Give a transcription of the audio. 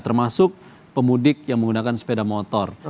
termasuk pemudik yang menggunakan sepeda motor